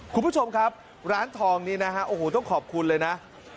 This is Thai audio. คุณผู้ชมครับร้านทองนี้นะฮะโอ้โหต้องขอบคุณเลยนะ